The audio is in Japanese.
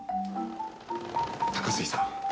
高杉さん